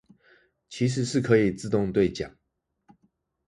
其實是可以自動對獎